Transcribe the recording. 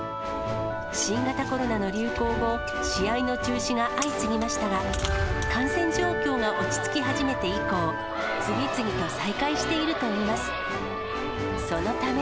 新型コロナの流行後、試合の中止が相次ぎましたが、感染状況が落ち着き始めて以降、次々と再開しているといいます。